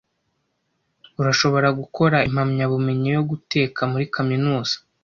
Urashobora gukora impamyabumenyi yo guteka muri kaminuza